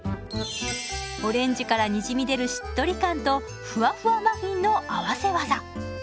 オレンジからにじみ出るしっとり感とふわふわマフィンの合わせ技。